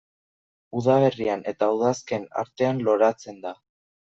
Udaberrian eta udazken artean loratzen da.